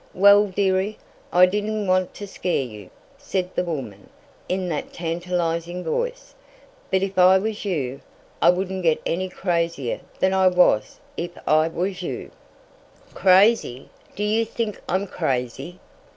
"Well, dearie, I didn't want to scare you," said the woman, in that tantalizing voice, "but if I was you, I wouldn't get any crazier than I was if I was you." "Crazy! Do you think I'm crazy?